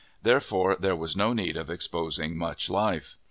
Therefore, there was no need of exposing much life.